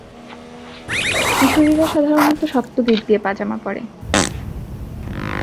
কিশোরীরা সাধারণত শক্ত গিট দিয়ে পাজামা পরে।